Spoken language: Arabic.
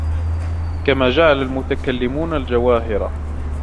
كَمَا جَعَلَ الْمُتَكَلِّمُونَ الْجَوَاهِرَ